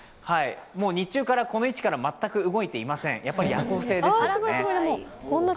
日中からこの位置から全く動いていません、やはり夜行性です。